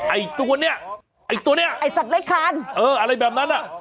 ไอ้ตัวเนี้ยไอ้ตัวเนี้ยไอ้สัตว์เล็กคานเอออะไรแบบนั้นอ่ะ